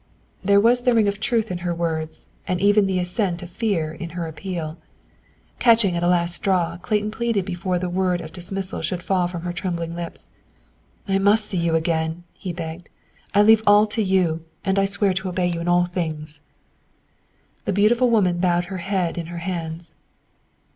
There was the ring of truth in her words, and even the accent of fear in her appeal. Catching at a last straw, Clayton pleaded before the word of dismissal should fall from her trembling lips. "I must see you again," he begged. "I leave all to you, and I swear to obey you in all things." The beautiful woman bowed her head in her hands.